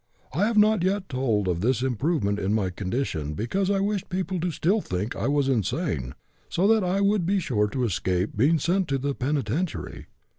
I have not yet told of this improvement in my condition, because I wished people to still think I was insane, so that I would be sure to escape being sent to the penitentiary.